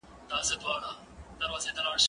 کېدای سي قلم خراب وي،